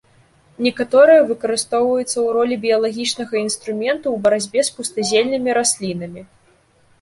Некаторыя выкарыстоўваюцца ў ролі біялагічнага інструменту ў барацьбе з пустазельнымі раслінамі.